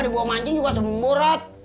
di bawah mancing juga semburot